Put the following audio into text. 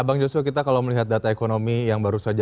bang joshua tapi kalau kita melihat ihsg